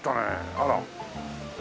あら。